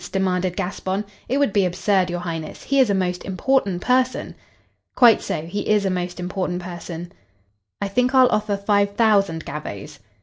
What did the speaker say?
demanded Gaspon. "It would be absurd, your Highness. He is a most important person." "Quite so; he is a most important person. I think I'll offer five thousand gavvos."